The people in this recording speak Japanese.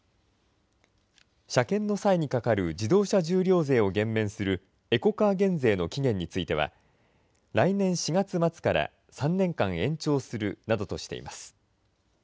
車検の際にかかる自動車重量税を減免するエコカー減税の期限については、来年４月末から３年間延長するなどとしています。